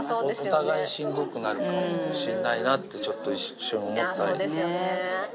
お互いしんどくなるかもしれないなって、ちょっと一瞬思ったそうですよね。